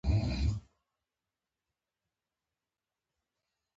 زه د خطا منل ځواک ګڼم.